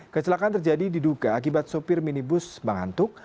kecelakaan terjadi diduga akibat sopir minibus mengantuk